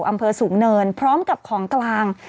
อำเภอสูงเนินพร้อมกับของกลาง